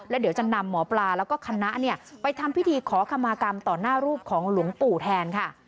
เดี๋ยวจะนำหมอปลาแล้วก็คณะไปทำพิธีขอขมากรรมต่อหน้ารูปของหลวงปู่แทนค่ะ